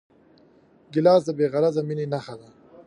ګیلاس د بېغرضه مینې نښه ده.